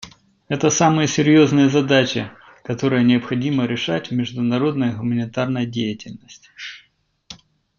Это самые серьезные задачи, которые необходимо решать в международной гуманитарной деятельности.